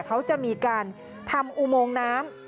เขาจะมีการทำอุโมงน้ำ